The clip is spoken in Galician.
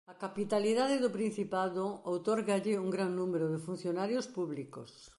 A capitalidade do Principado outórgalle un gran número de funcionarios públicos.